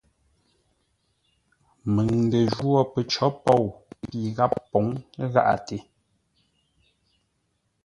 Məŋ ndə jwó pəcǒ pôu pi gháp pǒŋ gháʼate.